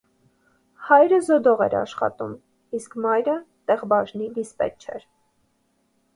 Հայրը զոդագործ էր աշխատում, իսկ մայրը՝ տեխբաժնի դիսպետչեր։